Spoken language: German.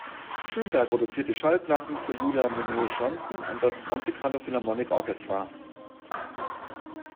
Schönberg produzierte Schallplatten für Julia Migenes-Johnson und das Monte Carlo Philharmonic Orchestra.